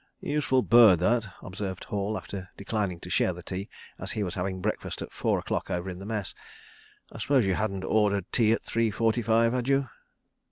"Useful bird, that," observed Hall, after declining to share the tea, as he was having breakfast at four o'clock over in the Mess. "I s'pose you hadn't ordered tea at three forty five, had you?"